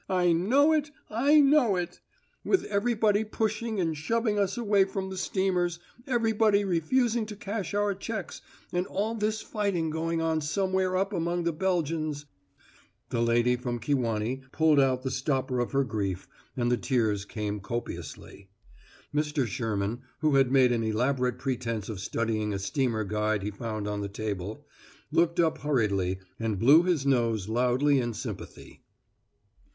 I know it! I know it! With everybody pushing and shoving us away from the steamers everybody refusing to cash our checks, and all this fighting going on somewhere up among the Belgians " The lady from Kewanee pulled out the stopper of her grief, and the tears came copiously. Mr. Sherman, who had made an elaborate pretense of studying a steamer guide he found on the table, looked up hurriedly and blew his nose loudly in sympathy.